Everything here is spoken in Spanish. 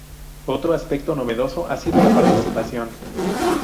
Otro aspecto novedoso ha sido la participación.